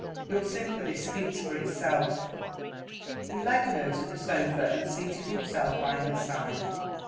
"Your sympathy speaks for itself." He led her to the sofa and seated himself by her side.